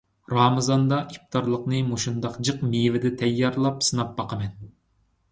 رامىزاندا ئىپتارلىقنى مۇشۇنداق جىق مېۋىدە تەييارلاپ سىناپ باقىمەن.